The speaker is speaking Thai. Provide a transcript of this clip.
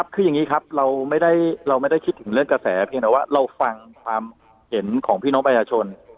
คืออย่างนี้ครับเราไม่ได้คิดถึงเรื่องกระแสเพียงแต่ว่าเราฟังความเห็นของพี่น้องประชาชน